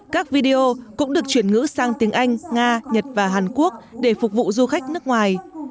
các video cũng được chuyển ngữ sang tiếng anh nga nhật và hàn quốc để phục vụ du khách nước ngoài